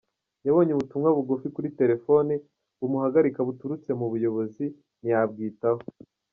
Yabonye ubutumwa bugufi kuri terefone bumuhagarika buturutse mu buyobozi ntiyabwitaho.